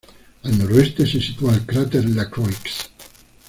Al noroeste se sitúa el cráter Lacroix.